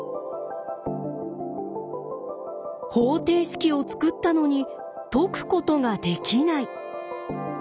方程式を作ったのに解くことができない。